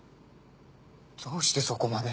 どうしてそこまで。